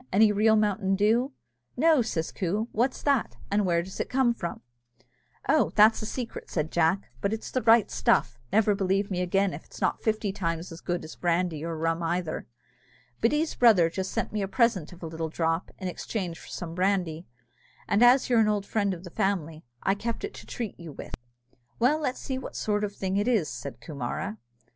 any real mountain dew?" "No," says Coo; "what's that, and where does it come from?" "Oh, that's a secret," said Jack, "but it's the right stuff never believe me again, if 'tis not fifty times as good as brandy or rum either. Biddy's brother just sent me a present of a little drop, in exchange for some brandy, and as you're an old friend of the family, I kept it to treat you with." "Well, let's see what sort of thing it is," said Coomara.